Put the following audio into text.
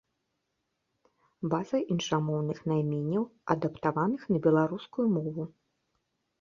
База іншамоўных найменняў, адаптаваных на беларускую мову.